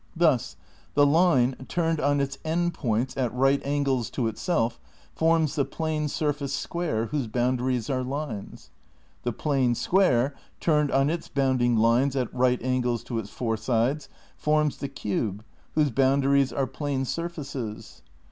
^ Thus: The line, turned on its end points at right angles to itself, forms the plane surface square whose boundaries are lines. The plane square, turned on its bounding lines at right angles to its four sides, forms the cube whose boundaries are plane surfaces.